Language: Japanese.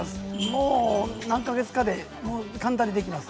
もう、何か月かで簡単にできます。